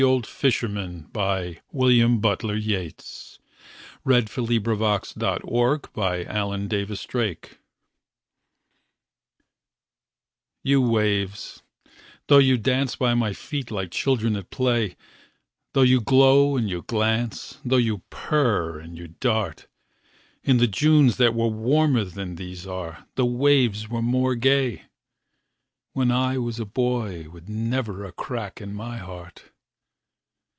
I J . K L . M N . O P . Q R . S T . U V . W X . Y Z The Meditation of the Old Fisherman YOU waves, though you dance by my feet like children at play, Though you glow and you glance, though you purr and you dart; In the Junes that were warmer than these are, the waves were more gay, When I was a boy with never a crack in my heart.